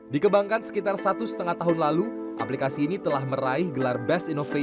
dikebangkan sekitar satu setengah tahun lalu aplikasi ini telah meraih gelasnya